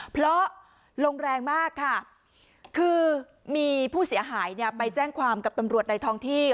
เพราะลมแรงมากค่ะคือมีผู้เสียหายเนี่ยไปแจ้งความกับตำรวจในท้องที่